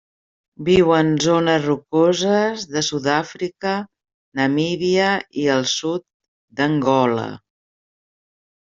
Viu en zones rocoses de Sud-àfrica, Namíbia i el sud d'Angola.